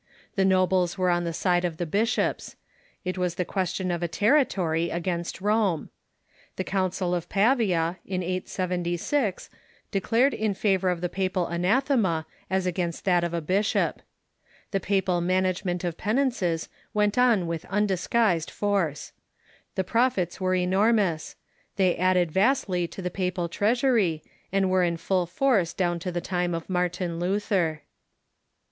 The nobles Avere on the side of the bishops. It was the question of a territory against Rome. The Council of Pavia, in 876, declared in favor of the papal anathema as against that of a bishop. The papal management of penances MORAL LIFE AND ECCLESIASTICAL USAGES 133 went on with undisguised force. The profits were enormous. Tlicy added vastly to the papal treasury, and were in full force down to the time of JNIartin Luther.